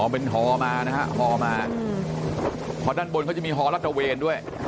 อ๋อเป็นฮอมานะฮะฮอมาฮอด้านบนก็จะมีฮอราชเวนด้วย